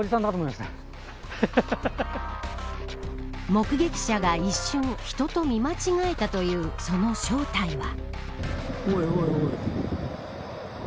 目撃者が一瞬、人と見間違えたというその正体は。